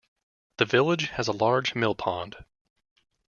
The village has a large mill pond.